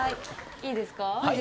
いいですか？